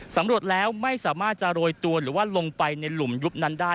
สำรวจแล้วไม่สามารถจะโรยตัวหรือว่าลงไปในหลุมยุบนั้นได้